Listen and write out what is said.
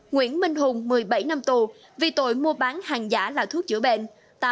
nguyễn minh hùng một mươi bảy năm tù vì tội mua bán hàng giả là thuốc chữa bệnh